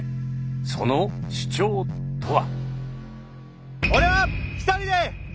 その主張とは。